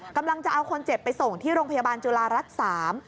กำลังจะเอาคนเจ็บไปส่งที่โรงพยาบาลจุฬารัฐสาม